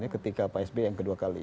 ketika pak sby yang kedua kali